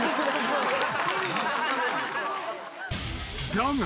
［だが］